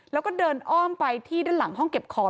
แล้วก็เดินอ้อมไปที่ด้านหลังห้องเก็บของ